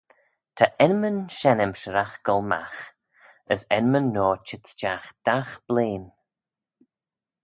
Ta enmyn shenn-emshiragh goll magh as enmyn noa çheet stiagh dagh blein.